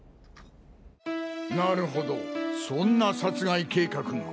なるほどそんな殺害計画が。